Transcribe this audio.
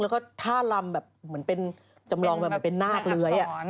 แล้วก็ท่ารำแบบจำลองแบบเป็นหน้ากลย